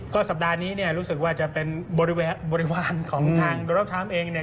ก็สัปดาห์นี้เนี่ยรู้สึกว่าจะเป็นบริวารของทางโดนัลดทรัมป์เองเนี่ย